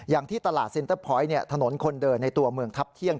อย่างที่ตลาดเซ็นเตอร์พอยต์ถนนคนเดินในตัวเมืองทัพเที่ยง